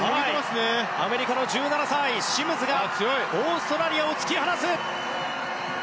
アメリカの１７歳、シムズがオーストラリアを突き放す。